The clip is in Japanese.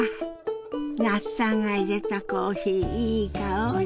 那須さんがいれたコーヒーいい香り。